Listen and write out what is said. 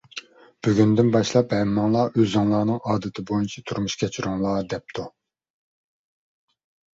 بۈگۈندىن باشلاپ، ھەممىڭلار ئۆزۈڭلارنىڭ ئادىتى بويىچە تۇرمۇش كەچۈرۈڭلار! دەپتۇ.